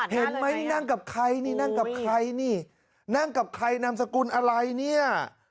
เห็นไหมนี่นั่งกับใครนี่นั่งกับใครนี่นั่งกับใครนามสกุลอะไรเนี่ย